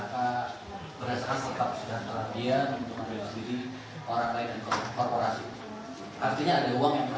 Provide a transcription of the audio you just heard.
kita fokus dulu pada pendidikan ini